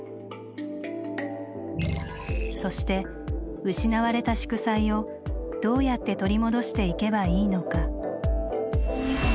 そして失われた祝祭をどうやって取り戻していけばいいのか？